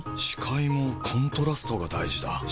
視界もコントラストが大事だ。